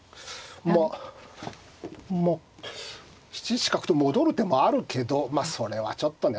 まあ７七角と戻る手もあるけどまあそれはちょっとね。